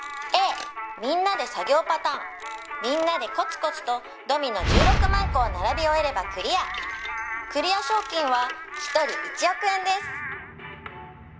「Ａみんなで作業パターン」「みんなでコツコツとドミノ１６万個を並び終えればクリア」「クリア賞金は１人１億円です」